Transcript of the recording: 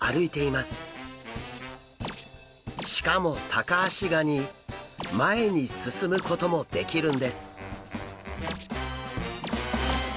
しかもタカアシガニ前に進むこともできるんです。